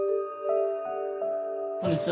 こんにちは。